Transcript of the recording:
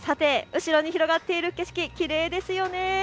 後ろに広がっている景色、きれいですよね。